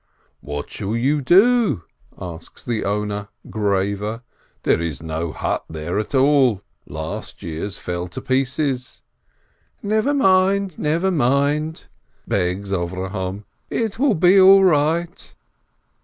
"What shall you do?" asks the owner, graver. "There is no hut there at all — last year's fell to pieces." "Never mind, never mind," begs Avrohom, "it will be all right."